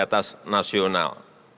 ini target yang tidak mudah